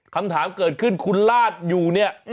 คำถามเกิดขึ้นคุณลาดอยู่เนี่ย